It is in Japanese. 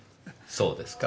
そうですか？